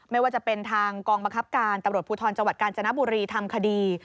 ไม่ว่าจะเป็นทางกองบังคับการตำรวจภูทรจังหวัดกาญจนบุรีทำคดี